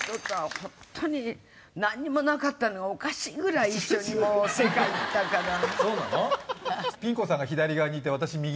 ホントに何にもなかったのはおかしいぐらい一緒にもう世界行ったからそうなの？